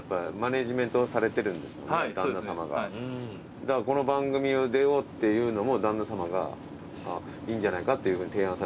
だからこの番組に出ようっていうのも旦那さまがいいんじゃないかっていうふうに提案されたんですか？